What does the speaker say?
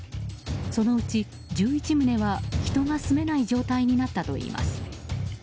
そのうち１１棟は人が住めない状態になったといいます。